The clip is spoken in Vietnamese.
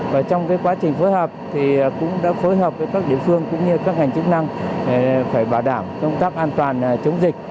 và trong quá trình phối hợp thì cũng đã phối hợp với các địa phương cũng như các ngành chức năng phải bảo đảm công tác an toàn chống dịch